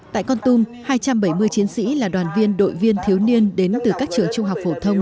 tại con tum hai trăm bảy mươi chiến sĩ là đoàn viên đội viên thiếu niên đến từ các trường trung học phổ thông